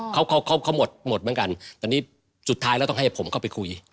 เขาเขาหมดหมดเหมือนกันแต่นี่สุดท้ายแล้วต้องให้ผมเข้าไปคุย